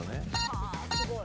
はぁすごい。